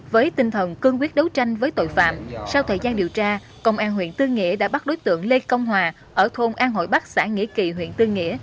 với tinh thần cương quyết đấu tranh với tội phạm sau thời gian điều tra công an huyện tư nghĩa đã bắt đối tượng lê công hòa ở thôn an hội bắc xã nghĩa kỳ huyện tư nghĩa